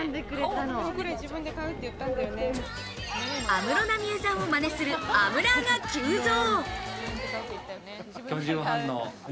安室奈美恵さんを真似するアムラーが急増。